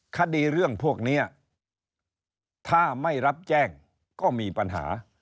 คดีเรื่องพวกนี้ถ้าไม่รับแจ้งก็มีปัญหา